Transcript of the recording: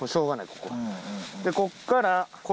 でここから。